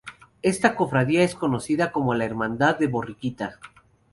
Esta Cofradía es conocida como la Hermandad de la Borriquita.